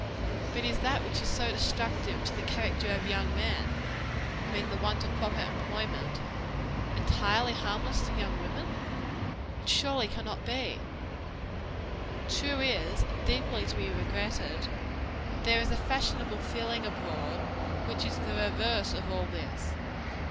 But is that which is so destructive to the character of young men I mean the want of proper employment entirely harmless to young women? It surely cannot be. True it is, and deeply to be regretted, that there is a fashionable feeling abroad, which is the reverse of all this.